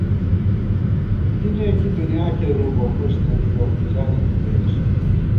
کی نېکی دُنیا کېرُو بہ، فُس نہ دِبہ مِزانہ تُو لېئیسہ